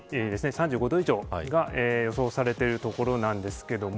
３５度以上が予想されている所なんですけれども。